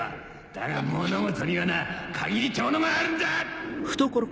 だが物事にはな限りってものがあるんだ！